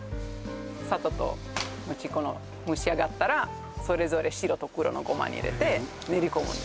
砂糖と餅粉の蒸し上がったらそれぞれ白と黒のゴマに入れて練り込むんです